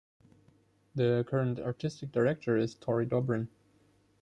The current artistic director is Tory Dobrin.